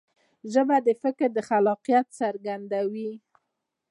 ژبه د فکر خلاقیت څرګندوي.